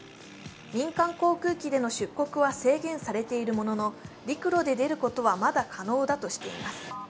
民間航空機での出国は制限されているものの、陸路で出ることはまだ可能だとしています。